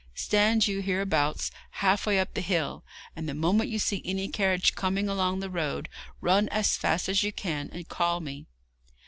Stand you hereabouts, half way up the hill, and the moment you see any carriage coming along the road run as fast as you can and call me.'